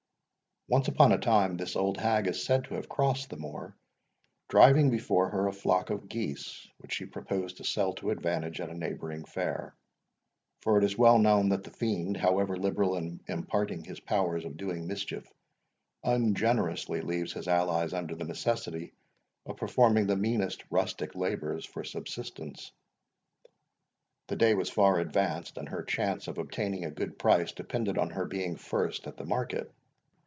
Once upon a time this old hag is said to have crossed the moor, driving before her a flock of geese, which she proposed to sell to advantage at a neighbouring fair; for it is well known that the fiend, however liberal in imparting his powers of doing mischief, ungenerously leaves his allies under the necessity of performing the meanest rustic labours for subsistence. The day was far advanced, and her chance of obtaining a good price depended on her being first at the market.